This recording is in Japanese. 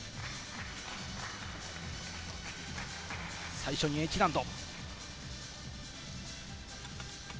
最初にＨ難度。